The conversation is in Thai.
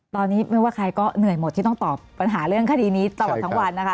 ตอนนี้ไม่ว่าใครก็เหนื่อยหมดที่ต้องตอบปัญหาเรื่องคดีนี้ตลอดทั้งวันนะคะ